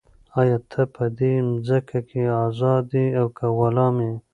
آیا ته په دې مځکه کې ازاد یې او که غلام یې؟